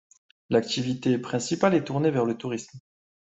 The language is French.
L'activité principale est tournée vers le tourisme.